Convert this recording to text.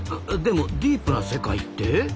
でもディープな世界って？